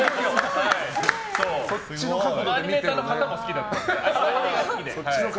アニメーターの方も好きで。